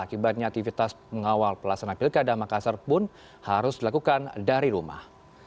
akibatnya aktivitas mengawal pelaksanaan pilkada makassar pun harus dilakukan dari rumah